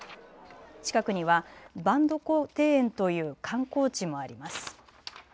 近くには番所庭園という観光地もあります。